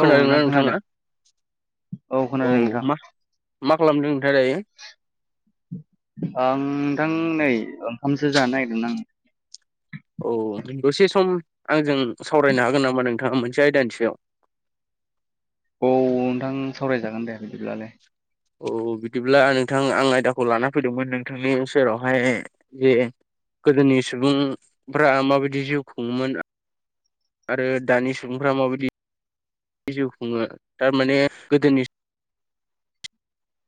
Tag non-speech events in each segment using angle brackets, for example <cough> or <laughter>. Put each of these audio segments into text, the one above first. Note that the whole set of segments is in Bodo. औ नोंथां ना नोंथाङा? औ खोनादों नोंथां मा मा खालामदों नोंथाङा दायो? आं नोंथां नै ओंखामसो जानो नागिरदों आं। औ दसे सम आंजों सावरायनो हागोन नामा नोंथाङा मोनसे आयदानि सायाव। औ नोंथां सावरायजागोन दे बिदिब्लालाय। औ बिदिब्ला नोंथां आं आयदाखौ लाना फैदोंमोन नोंथांनि सेरावहाय जे गोदोनि सुबुंफ्रा माबायदि जिउ खुङोमोन आरो दानि सुबुंफ्रा माबायदि जिउ खुङो दा माने गोदोनि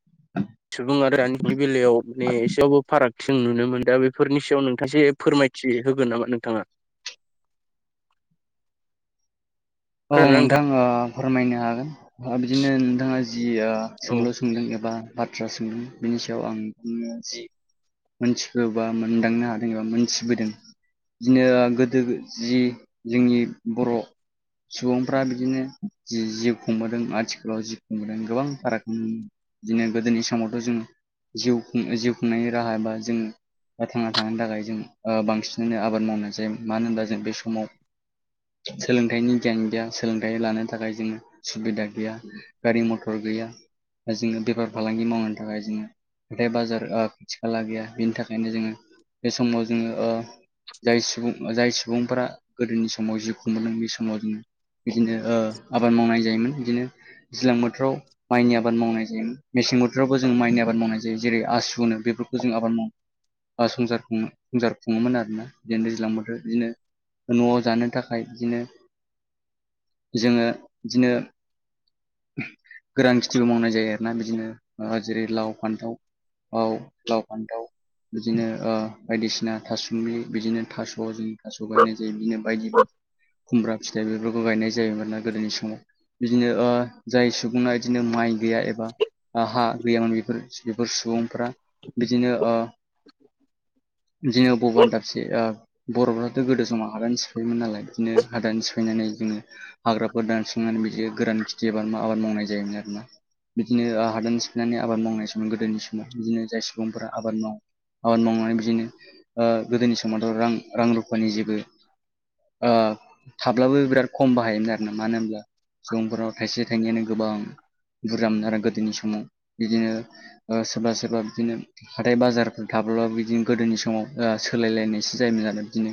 <inaudible> सुबुं आरो दानि जुगनि बेलायाव मानि एसेबाबो फाराग जों नुनो मोन दा बेफोरनि सायाव नोंथांसे फोरमायथि होगोन नामा नोंथाङा? औ नोंथां ओ फोरमायनो हागोन बिदिनो नोंथाङा जि औ सोंलु सोंदों एबा बाथ्रा सोंदों बिनि सायाव आं बुङो जि मोनथिबो बा मोनदांनो हादों एबा मोनथिबोदों बिदिनो गोदो गो जि जोंनि बर' सुबुंफ्रा बिदिनो जि-जिउ खुंबोदों आथिखालाव जिउ खुंबोदों गोबां फारागनि बिदिनो गोदोनि समावथ' जों जिउ खुं जिउ खुंनायनि राहा बा जों बा थांना थनि थाखाय जों ओ बांसिनानो आबाद मावना जायोमोन मानो होनबा जों बे समाव सोलोंथाइनि गियान गैया सोलोंथाइ लानो थाखाय जोङो सुबिदा गैया गारि मथर गैया जोंनो बेफार फालांगि मावनो थाखाय जोङो हथाय बाजार खाथि आ खाला गैया बिनि थाखायनो जोङो बे समाव जोङो ओ जाय सुबुं जाय सुबुंफोरा गोदोनि समाव जिउ खुंबोदों बे समाव जों बिदिनो ओ आबाद मावनाय जायोमोन बिदिनो दैज्लां बोथोराव माइनि आबाद मावनाय जायो। मेसें बोथोरावबो जों माइनि आबाद मावनाय जायो जेरै आसु नो बेफोरखौ जों आबाद मावो। आ संसार खुङो संसार खुङोमोन आरो ना जेन दैज्लां बोथोर बिदिनो। न'आव जानो थाखाय बिदिनो जोङो बिदिनो गोरान खेथिबो मावनाय जायो आरोना बिदिनो। ओ जेरै लाव फान्थाव औ लाव फान्थाव। बिदिनो ओ बायदिसिना था सुमब्लि बिदिनो थास' जों थास' गायनाय जायो बिदिनो बायदि खुमब्रा फिथाइ बेफोरखौ गायनाय जायो मानोना गोदोनि समाव बिदिनो ओ जाय सुबुंआ बिदिनो माइ गैया एबा बा हा गैयामोन बेफोर बेफोर सुबुंफोरा बिदिनो ओ बिदिनो बबा दाबसे आ बर'फ्राथ' गोदो समाव हादान सिफायोमोन नालाय बिदिनो हादान सिफायनानै जोङो हाग्राफोर दानस्रांनानै बिदि गोरान खिथि एबा आबाद मावनाय जायोमोन आरोना। बिदिनो हादान सिफायनानै आबाद मावनाय समाव गोदोनि समाव बिदिनो जाय सुबुंफोरा आबाद माव आबाद मावनानै बिदिनो ओ गोदोनि समावथ' रां रां रुफानि जेबो ओ थाब्लाबो बिराद खम बाहायोमोन आरोना। मानो होनब्ला सुबुंफोराव थाइसे थाइनैयानो गोबां बुरजामोन आरो। गोदोनि समाव बिदिनो ओ सोरबा सोरबा बिदिनो हाथाय बाजारफोर थाब्लाबो बिदिनो गोदोनि समाव ओ सोलायलायनायसो जायोमोन आरो बिदिनो।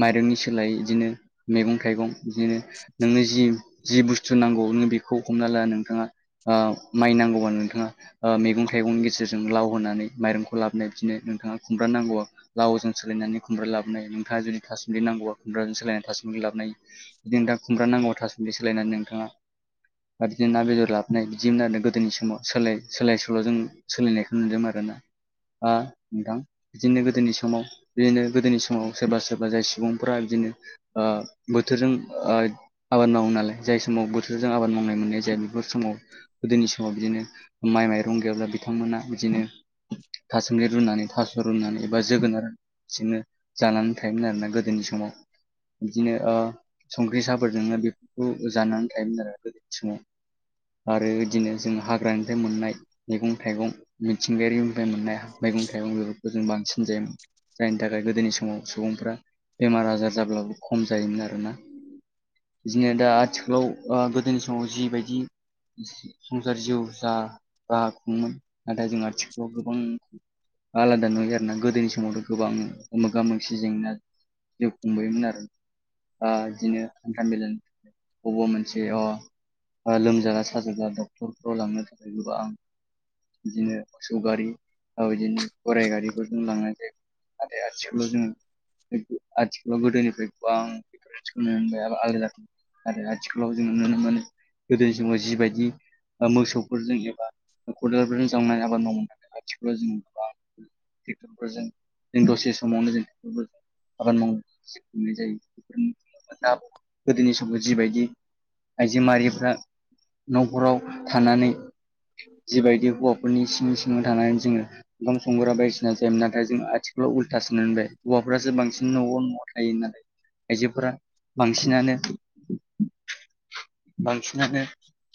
माइरंनि सोलाय बिदिनो मैगं थाइगं बिदिनो नोंनो जि जि बुस्थु नांगौ नों बेखौ हमना ला नोंथाङा ओ माइ नांगौबा नोंथाङा ओ मैगं थाइगंनि गेजेरजों लाव होनानै माइरंखौ लाबोनाय बिदिनो नोंथाङा खुमब्रा नांगौबा लावजों सोलायनानै खुमब्रा लाबोनाय नोंथाङा जुदि था सुमब्लि नांगौबा खुमब्राजों सोलायनानै था सुमब्लि लाबोनाय। जुदि नोंथां खुमब्रा नांगौबा था सुमब्लि सोलायनानै नोंथाङा आरो बिदिनो ना बेदर लाबोनाय बिदिमोन आरोना गोदोनि समाव सोलाय सोलाय सोल'जों सोलिनायखौ नुदोंमोन आरोना ओ नोंथां। बिदिनो गोदोनि समाव बिदिनो गोदोनि समाव सोरबा सोरबा जाय सुबुंफोरा बिदिनो ओ बोथोरजों ओ आबाद मावो नालाय जाय समाव बोथोरजों आबाद मावनाय मोननाय जाया। बेफोर समाव गोदोनि समाव बिदिनो माइ माइरं गैयाब्ला बिथांमोना बिदिनो था सुमब्लि रुनानै थास' रुनानै एबा जोगोनार सिनो जानानै थायोमोन आरोना गोदोनि समाव। बिदिनो ओ संख्रि साहाफोरजोंनो बेफोरखौ जानानै थायोमोन आरो गोदोनि समाव आरो बिदिनो जों हाग्रानिफ्राय मोननाय मैगं थाइगं मिथिंगायारिनिफ्राय मोननाय मैगं थाइगं बेफोरखौ जों बांसिन जायोमोन। जायनि थाखाय गोदोनि समाव सुबुंफ्रा बेमार आजार जाब्लाबो खम जायोमोन आरोना। बिदिनो दा आथिखालाव ओ गोदोनि समाव जिबायदि संसार जिउ जा बाहाग खुङोमोन नाथाय जों आथिखालाव गोबां आलादा नुयो आरोना। गोदोनि समावथ' गोबां मोगा मोगि जेंना जिउ खुंबोयोमोन आरो। ओ बिदिनो हान्था मेलानि अबावबा मोनसे अ ओ लोमजाबा साजाबा डक्टरफ्राव लांनो थाखाय गोबां बिदिनो मोसौ गारि बा बिदिनो गराइ गारिफोरजों लांनाय जायो। आरो आथिखालाव जोङो आथिखालाव गोदोनिफ्राय गोबां बेफोरबायदि खौनो मोनबाय आरो आलादा आरो आथिखालाव जोङो नुनो मोनो गोदोनि समाव जिबायदि मोसौफोरजों एबा खदालरफोरजों जावनाय आबाद मावोमोन आथिखालाव जों गोबां ट्रेक्टरफोरजों जों दसे समावनो जों आबाद मावो। जायोमोन बेफोर दा गोदोनि समाव जिबायदि आइजो माहारिफ्रा न'खराव थानानै जिबायदि हौवाफोरनि सिं सिङाव थानानै जोङो ओंखाम संग्रा बायदिसिना जायो। नाथाय जों आथिखालाव उननो होनबाय हौवाफ्रासो बांसिन न'आव न'आव थायो नालाय आइजोफोरा बांसिनानो बांसिनानो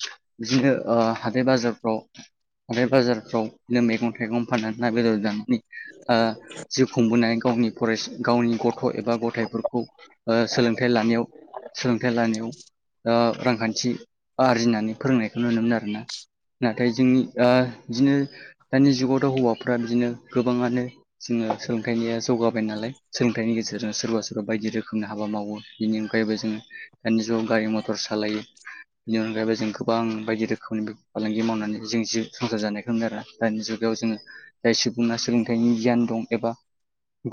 बिदिनो हाथाय बाजारफ्राव आरो बाजारफ्राव बिनो मैगं थाइगं फाननानै ना बेदर जानानै ओ जिउ खुंबोनानै गावनि फराय गावनि गथ' एबा ग' खौ ओ सोलोंथाइ लानायाव सोलोंथाइ लानायाव ओ रांखान्थि आरजिनानै फोरोंनायखौ नुनो मोनो आरोना। नाथाय जोंनि ओ बिदिनो दानि जुगावथ' हौवाफ्रा बिदिनो गोबाङानो जोङो सोलोंथाइनिया जौगाबाय नालाय सोलोंथाइनि गेजेरजों सोरबा सोर बे बायदि रोखोमनि हाबा मावो बेनि अनगायैबो जोङो दानि जुगाव गारि मथर सालायो। बेनि अनगायैबो जों गोबां बायदि रोखोमनि फालांगि मावनानै जों जिउ संसार जानायखौ मोनो आरो। दानि जुगायाव जोङो जाय सुबुंना सोलोंथाइनि गियान दं एबा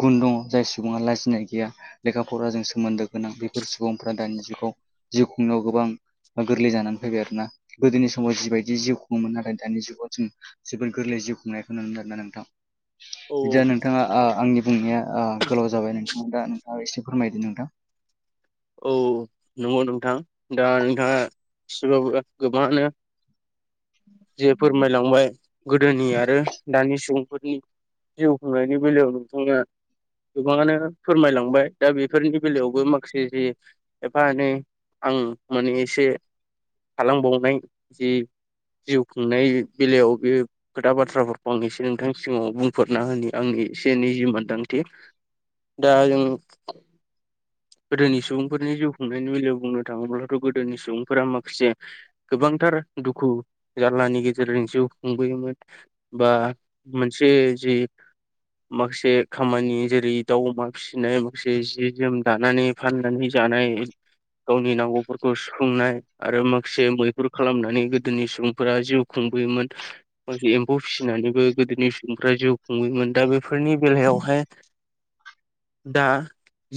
गुन दङ जाय सुबुङा लाजिनाय गैया लेखा फराजों सोमोन्दो गोनां बेफोर सुबुंफ्रा दानि जुगाव जिउ खुंनायाव गोबां गोरलै जानानै फैबाय आरो ना गोदोनि समाव जिबायदि जिउ खुङोमोन नाथाय दानि जुगाव जों जोबोर गोरलैउ खुंनायखौ नु मोनदों आरो ना नोंथां। औ बिदिया नोंथाङा आं आंनि बुंनाया गोलाव जाबाय नोंथाङा दा नोंथाङा एसे फोरमायदो नोंथां। औ नंगौ नोंथां दा नोंथाङा एसेबाबो गोबाङानो जे फोरमायलांबाय गोदोनि आरो दानि सुबुंफोरनि जिउ खुंनायनि बेलायाव नोंथाङा गोबाङानो फोरमायलांबाय। दा बेफोरनि बेलायावबो माखासे एफा एने आं माने एसे थालांबावनाय जि जिउ खुंनाय बेलायाव बेयो खोथा बाथ्राफोरखौ आं एसे नोंथांनि सिगाङाव बुंफोरना होनो आंनि एसे एनि जि मोनदांथि दा जों गोदोनि सुबुंफोरनि जिउ खुंनायनि बेलायाव बुंनो थाङोब्लाथ' गोदोनि सुबुंफोरा माखासे गोबांथार दुखु जारलानि गेजेरजों जिउ खुंबोयोमोन। बा मोनसे जि माखासे खामानि जेरै दाउ अमा फिसिनाय माखासे जि जोम जानानै फाननानै जानाय गावनि नांगौफोरखौ सुफुंनाय आरो माखासे मैफोहुर खालामनानै गोदोनि सुबुंफोरा जिउ खुंबोयोमोन माखासे एम्फौ फिसिनानैबो गोदोनि सुबुंफ्रा जिउ खुंबोयोमोन दा बे फोरनि बेलायावहाय दा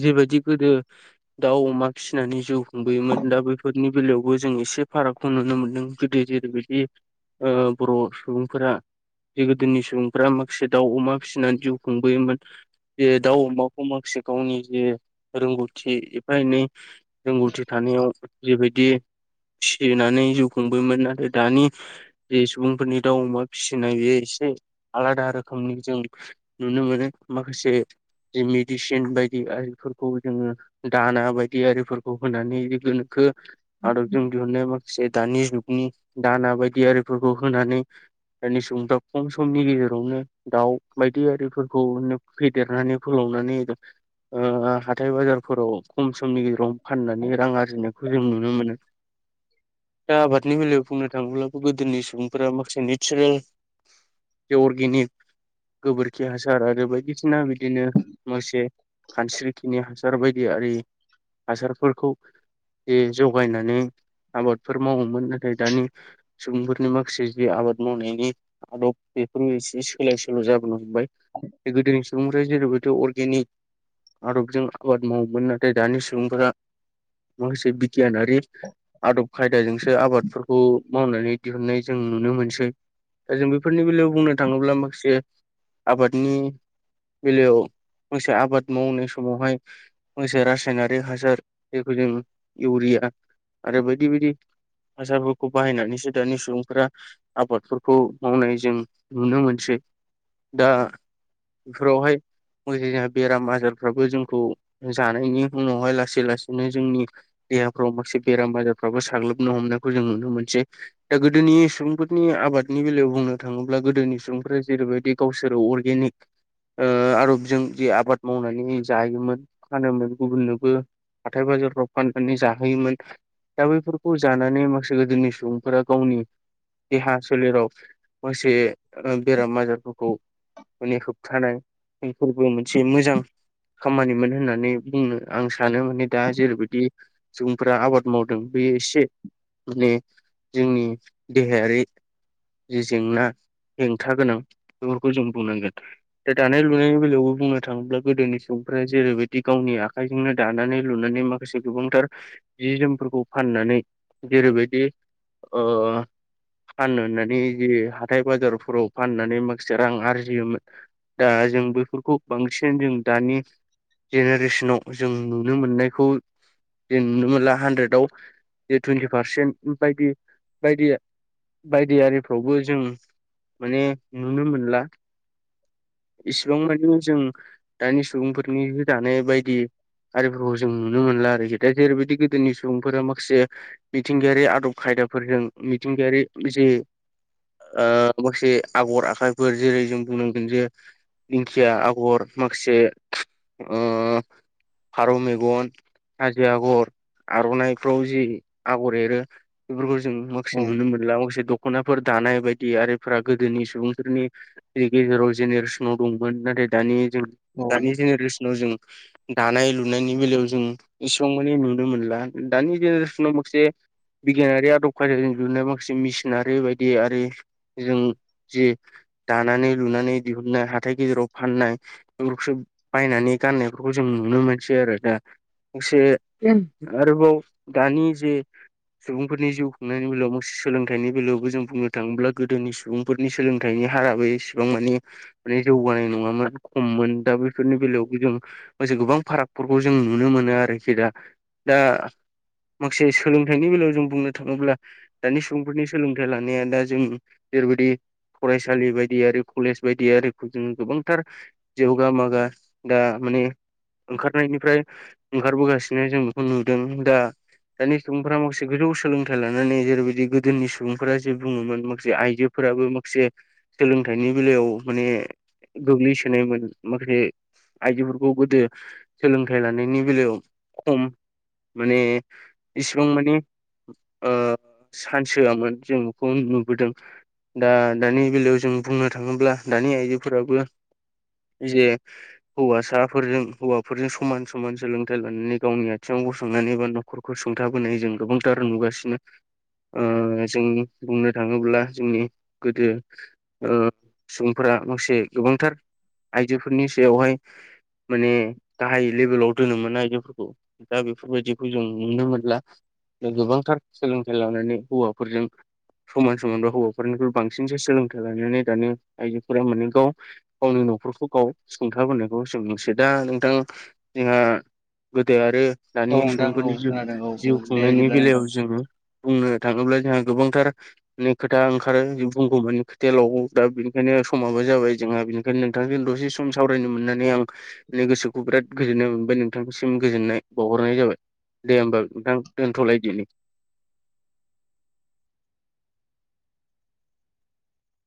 जिबायदि गोदो दाउ अमा फिसिनानै जिउ खुंबोयोमोन दा बेफोरनि बेलायावबो जों एसे फारागखौ नुनो मोनदों गोदो जेरैबायदि ओ बर' सुबुंफोरा बे गोदोनि सुबुंफोरा्रा माखासे दाउ अमा फिसिनानै जिउ खुंबोयोमोन बे दाउ अमाखौ माखासे गावनि जे रोंगौथि एफा एनै रोंगौथि थानायाव बेबायदि फिसिनानै जिउ खुंबोयोन नाथाय दानि बे सुबुंफोरनि दाउ अमा फिसिनाय बेयो एसे आलादा रोखोमनि जों नुनो मोनो माखासे जि लेडिसिन बायदि आयेनफोरखौ जोङो दाना बायदि आरिफोरखौ होनानै गोनोखो आदबजों दिहुनाय माखासे दानि जुगनि दाना बायदि आरिफोरखौ होनानै दानि सुबुंफ्रा खम समनि गेजेरावनो दाउ बायदि आरिफोरखौनो फेदेरनानै फोलावनानै ओ हा हाथाइ बाजारफोराव खम समनि गेजेराव फाननानै रां आरजिनायखौ जों नुनो मोनो। दा आबादनि बेलायाव बुंनो थाङोब्लाबो गोदोनि सुबुंफोरा माखासे नेचारेल बे अर्गेनिक गोबोरखि हासार आरो बायदिसिना बिदिनो मोसे खानस्रि खिनि हासार बायदि आरि हासारफोरखौ बे जगायनानै आबादफोर मावोमोन नाथाय दानि सुबुंफोरनि माखासे जि आबाद मावनायनि आदब बेफोर एसे सोलाय सोल' जाबोनो हमबाय बे गोदोनि सुबुंफ्रा जेरैबायथ' अर्गेनिक आदबजों आबाद मावोमोन नाथाय दानि सुबुंफोरा माखासे बि गियानारि आदब खायदाजोंसो आबादफोरखौ मावनानै दिहुुननाय जों नुनो मोनसै। दा जों बेफोरनि बेलायाव बुंनो थाङोब्ला माखासे आबादनि बेलायाव मोनसे आबाद मावनाय स मावहाय मसे रासायनारिक हासार जखौ जों इउरिया आरो बायदि बायदि हासारफोरखौ बाहायनानैसो दानि सुबुंफोरा आबादफोरखौ मावनाय जों नुनो मोनसै दा बेफोरावहाय म जोंहा बेराम आजार फोराबो जोंखौ जानायनि उनावहाय लासै लासैनो जोंनि देहाफ्राव माखासे बेराम आजारफ्राबो साग्लोबनो हमनायखौ जों नुनो मोनसै दा गोदोनि सुबुंफोरनि आबादनि बेलायाव बुंनो थाङोब्ला गोदोनि सुबुंफोरा जेरैबायदि गावसोरो अर्गेनिक आबजों जे आबाद मावनानै जायोमोन फानोमोन गुबुननोबो हाथथाय बाजारफ्राव फाननानै जाहोयोमोन दा बैफोरखौ जानानै माखासे गोदोनि सुबुंफोरा गावनि देहा सोलेराव माखासे बेराम आजारफोरखौ माने होबथानाय जोंफोरबो मोनसे मोजां खामानिमोन होननानै बुंनो आं सानो माने दा जेरैबायदि सुबुंफोरा आबाद मावदों बेयो एसे माने जोंनि देहायारि जि जेंना हेंथा गोनां बेफोरखौ जों बुंनांगोन द दानाय लुनायनि बेलायावबो बुंनो थाङोब्ला गोदोनिसो ओमफ्राय जेरैबायदि गावनि आखाइजोंनो दानानै लुनानै माखासे गोबांथार जि जोमफोरखौ फाननानै जेरैबायदि फाननो होननानै जि हाथाय बाजारफोराव फाननानै माखासे रां आरजियोमोन दा जों बैफोरखौ बांसिन जों दानि जेनेरेसनाव जों नुनो मोननायखौ जों नुनो मोनला हानद्रेदआव जे टुइन्टि पारसेन्ट बायदि बायदि। बायदि आरिफ्रावबो जों माने नुनो मोनला इसिबां मानिे जों दानि सुबुंफोरनि दानाय बायदि आरिफोरखौ जों नुनो मोनला आरोखिा जेरैबायदि गोदोनि सुबुंफोरा माखासे मिथिंगायारि आदब खायदाफोरजों मिथिंगायारि जे माखासे आगर आखाइफोर जेरै जों बुंनांगोन जे दिंखिया आगर माखासे फारौ मेगन हाजो आगर आर'नाइफ्राव जि आगर एरो बेफोरखौ जों औ माखसे नुनो मोनला मसे दख'नाफोर दानाय बायदि आरिफोरा गोदोनि सुबुंफोरनि गेजेराव जेनेरेसनाव दंमोन नाथाय दानि जों औ दानि जेनेरेसनाव जों दानाय लुनायनि बेलायाव जों इसिबां मानिे नुनो मोनला दानि जेनेरेसनाव मोनाखसे बिगियानारि आदब खों जुनाय माखासे मसििनारि बायदि आरि जों जि दानानै लुनानै दिहुननाय हाथाय गेजेराव फाननाय बायनानै गाननायफोरखौ जों नुनो मोनसै आरो दा एसे आरोबाव दानि जे सुबुंफोरनि जिउ खुंनायनि बेलायाव मोनसे सोलोंथाइनि बेलायावबो जों बुंनो थाङोब्ला गोदोनि सुबुं बेफोरनि सोलोंथाइनि हाराबो एसेबां मानि माने जौगानाय नङामोन खममोन दा बे बेफोरनि बेलायावबो जोंसे गोबां फारागफोरखौ जों नुनो मोनो आरोखि दा दा माखसे सोलोंथाइनि बेलायाव जों बुंनो थाङोब्ला दानि सुबुंफोरनि सोलोंथाइ लानाया दा जों जेरै'बायदि फरायसालि बायदियि कलेज बायदि यारिफोजों गोबांथार जौगा मागा दा माने ओंखारनायनिफ्राय ओंखारबोगासिनो जों बेखौ नुदों दा। दानि सुबुंफोरा माखासे गोजौ सोलोंथाइ लानानै जेरै'बायदि गोदोनि सुबुंफोरा जे बुङोमोन माखासे आइजो फोराबो माखासे सोलोंथाइनि बेलायाव माने गोग्लैसोनायमोन‌। माखासे आइजोफोरखौ गोदो सोलोंथाइ लानायनि बेलायाव खम माने इसिबां मानि ओ चान्स होआमोन जों बेखौ नुबोदों। दा दानि बेलायाव जों बुंनो थाङोब्ला दानि आइजोफोराबो। जे हौवासाफोरजों हौवाफोरजों समान समान सोलोंथायाइ लानानै गावनि आथिङाव गसंनानै बा न न'खरखौ सुंथाबोनाय जों गोबांथार नुगासिनो। ओ जों बुंनो थाङोब्ला जोंनि गोदो ओ सुबुंफोरा मसे गोबांथार आइजोफोरनि सायावहाय। माने गाहाय लेभेलाव दोनोमोन आयजोफोरखौ। दा बेफोरबायदिखौ जों नुनो मोनला। ओ गोबांथार सोलोंथाइ लानानै हौवाफोरजों समान सो मोनबा हौवाफोरनिफ्राय बांसिनसो सोलोंथाइ लानानै दानि आइजोफोरा माने गाव गावनि न'खरखौ गाव सुंथाबोनो बावसो मोसे दा नोंथां जोंहा गोदो आरो। औ दानि नोंथां औ सुबुंफोरनि जिउ खोनादों औ जिउ औ दे खुंनायनि बिदिब्ला नोंथां बेलायाव जोङो। बुंनो थाङोब्ला जोंहा गोबांथार नो खोथा ओंखारो जि बुगौ माने खोथायालावगै दा बेनिखायनो समाबो जाबाय जोंहा बेनि <inaudible> नोंथांजों दसे सम सावरायनो मोनना नै आं गोसोखौ बिराद गोजोननाय मोनबाय नोंथांनिसिम गोजोननाय बावहरनाय जाबाय। दे होमबा नोंथां दोनथ'लायदि।